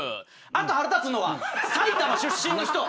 あと腹立つのは埼玉出身の人。